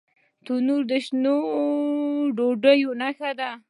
تنور د شنو ډوډیو نښه ده